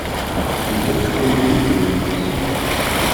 Ulac win i d-ikkren yessen.